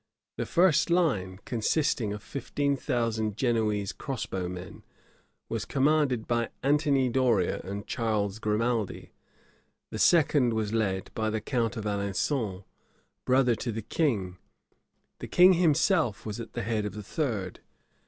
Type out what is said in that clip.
The first line, consisting of fifteen thousand Genoese cross bow men, was commanded by Anthony Doria and Charles Grimaldi: the second was led by the count of Alençon, brother to the king: the king himself was at the head of the third.